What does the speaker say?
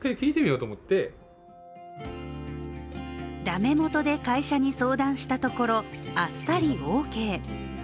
ダメ元で会社に相談したところあっさりオーケー。